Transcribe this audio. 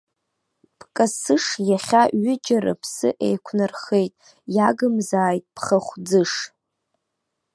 Бкасыш иахьа ҩыџьа рыԥсы еиқәнархеит, иагымзааит бхахә ӡыш.